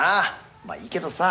まあいいけどさ。